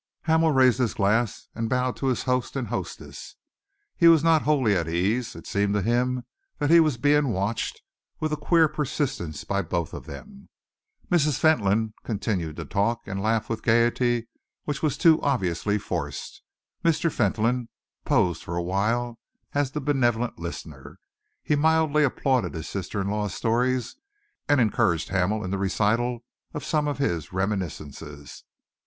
Hamel raised his glass and bowed to his host and hostess. He was not wholly at his ease. It seemed to him that he was being watched with a queer persistence by both of them. Mrs. Fentolin continued to talk and laugh with a gaiety which was too obviously forced. Mr. Fentolin posed for a while as the benevolent listener. He mildly applauded his sister in law's stories, and encouraged Hamel in the recital of some of his reminiscences.